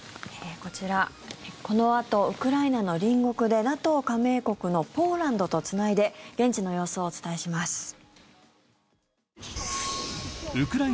こちらこのあと、ウクライナの隣国でＮＡＴＯ加盟国のポーランドとつないで現地の様子をお伝えします。